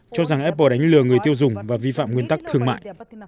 cho rằng apple đánh lừa người tiêu dùng và vi phạm nguyên tắc thương mại